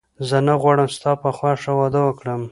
زه نه غواړم ستا په خوښه واده وکړم